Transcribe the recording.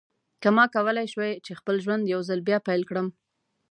که ما کولای شوای چې خپل ژوند یو ځل بیا پیل کړم.